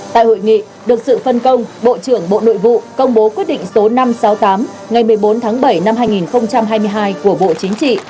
tại hội nghị được sự phân công bộ trưởng bộ nội vụ công bố quyết định số năm trăm sáu mươi tám ngày một mươi bốn tháng bảy năm hai nghìn hai mươi hai của bộ chính trị